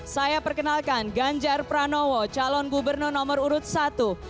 saya perkenalkan ganjar pranowo calon gubernur nomor urut satu